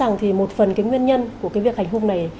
bác sĩ cho rằng một phần cái nguyên nhân của cái việc hành hùng này